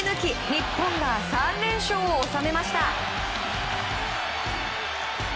日本が３連勝を収めました。